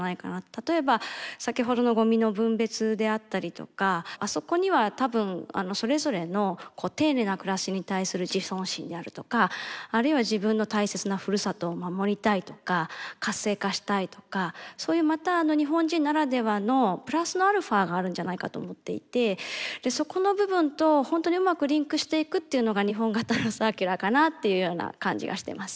例えば先ほどのごみの分別であったりとかあそこには多分それぞれの丁寧な暮らしに対する自尊心であるとかあるいは自分の大切なふるさとを守りたいとか活性化したいとかそういうまたあの日本人ならではのプラスのアルファがあるんじゃないかと思っていてそこの部分と本当にうまくリンクしていくっていうのが日本型のサーキュラーかなっていうような感じがしてます。